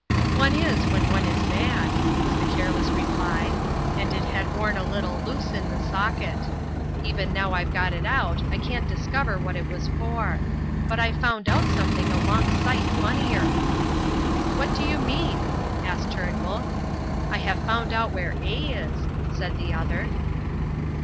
"One is, when one is mad," was the careless reply, "and it had worn a little loose in the socket. Even now I've got it out I can't discover what it was for. But I've found out something a long sight funnier." "What do you mean?" asked Turnbull. "I have found out where A is," said the other.